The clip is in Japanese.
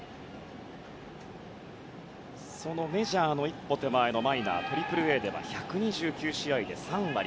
そのメジャーの一歩手前のマイナー３Ａでは１２９試合で３割。